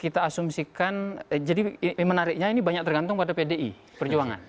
kita asumsikan jadi menariknya ini banyak tergantung pada pdi perjuangan